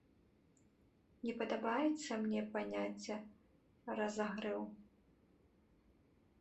Не падабаецца мне паняцце разагрэў.